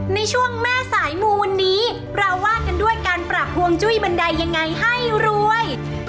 ในช่วงแม่สายมูวันนี้เราว่ากันด้วยการปรับฮวงจุ้ยบันไดยังไงให้รวย